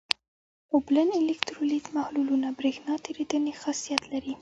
اوبلن الکترولیت محلولونه برېښنا تیریدنه خاصیت لري.